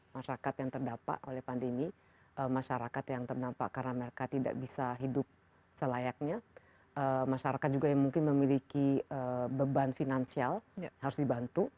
masyarakat yang terdampak oleh pandemi masyarakat yang terdampak karena mereka tidak bisa hidup selayaknya masyarakat juga yang mungkin memiliki beban finansial harus dibantu